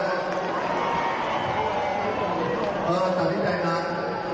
เห็นหน้าแล้วหน้าหลังก็เผื่อเบอร์ก่อน